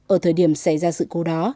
ở thời điểm xảy ra sự cố đó